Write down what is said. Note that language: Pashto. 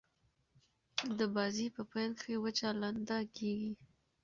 د بازي په پیل کښي وچه لنده کیږي.